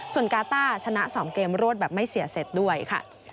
ส่วนกาต้าชนะ๒เกมรวดแบบไม่เสียเสร็จด้วยค่ะ